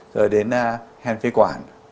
rồi đến hèn phế quản